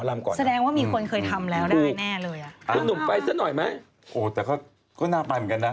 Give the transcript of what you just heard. โอ้แต่ก็น่าเป็นเหมือนกันนะ